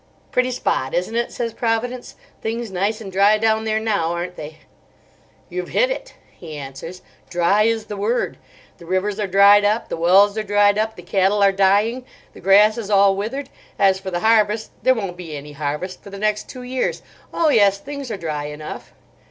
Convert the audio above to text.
"Pretty spot, isn't it?" says Providence. "Things nice and dry down there now, aren't they?" "You've hit it," he answers. "Dry is the word. The rivers are dried up, the wells are dried up, the cattle are dying, the grass is all withered. As for the harvest, there won't be any harvest for the next two years! Oh, yes, things are dry enough."